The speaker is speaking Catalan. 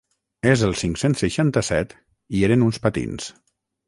És el cinc-cents seixanta-set i eren uns patins.